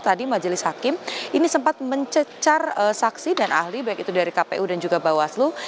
tadi majelis hakim ini sempat mencecar saksi dan ahli baik itu dari kpu dan juga bawaslu